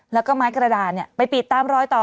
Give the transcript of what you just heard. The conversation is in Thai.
แล้วก็ไม้กระดาษไปปิดตามรอยต่อ